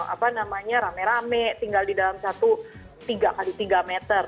apa namanya rame rame tinggal di dalam satu tiga x tiga meter